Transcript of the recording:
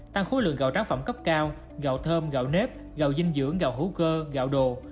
tăng khối lượng gạo tráng phẩm cấp cao gạo thơm gạo nếp gạo dinh dưỡng gạo hữu cơ gạo đồ